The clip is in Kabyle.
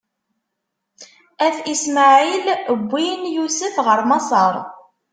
At Ismaɛil wwin Yusef ɣer Maṣer.